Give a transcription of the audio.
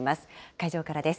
会場からです。